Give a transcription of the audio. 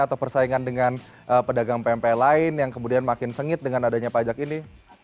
atau persaingan dengan pedagang pmp lain yang kemudian makin sengit dengan adanya pajak ini